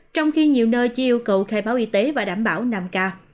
trong khi nhiều nơi chỉ yêu cầu khai báo y tế và đảm bảo năm k